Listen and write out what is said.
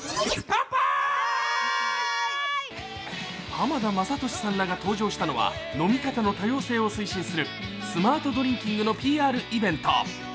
浜田雅功さんらが登場したのは飲み方の多様性を推進するスマートドリンキングのＰＲイベント。